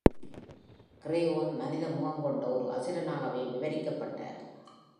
Crayon மனித முகம் கொண்ட ஒரு அசுரனாகவே விவரிக்கப்பட்டார்.